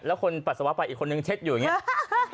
แล้วคนปัสสาวะไปอีกคนนึงเช็ดอยู่อย่างนี้